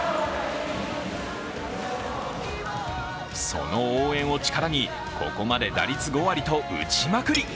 その応援を力にここまで打率５割と打ちまくり。